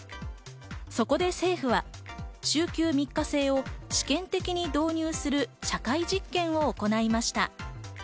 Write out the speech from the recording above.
そこで政府は週休３日制を試験的に導入する社会実験を行いました。